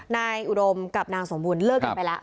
นายอุดมกับนางสมบูรณเลิกกันไปแล้ว